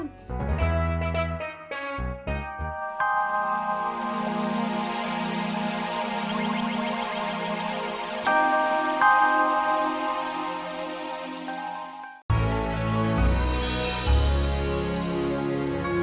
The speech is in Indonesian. terima kasih bu